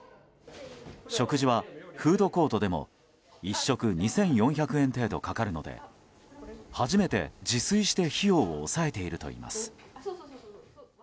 食事はフードコートでも１食２４００円程度かかるので初めて、自炊して費用を抑えているといいます。